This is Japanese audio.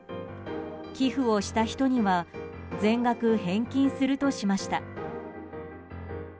寄付をした人には全額返金するとしました。